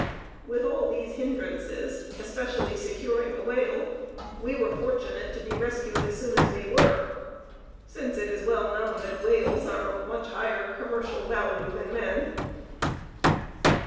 With all these hindrances, especially securing the whale, we were fortunate to be rescued as soon as we were, since it is well known that whales are of much higher commercial value than men.